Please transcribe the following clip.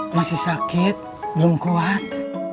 masih sakit belum kuat